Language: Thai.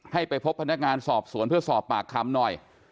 ให้ไปพบพนักงานสอบสวนเพื่อสอบปากคำหน่อย